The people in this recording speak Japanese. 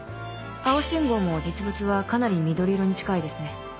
青信号も実物はかなり緑色に近いですね。